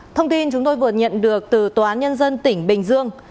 thông tin chúng tôi vừa nhận được từ tòa án nhân dân tỉnh bình dương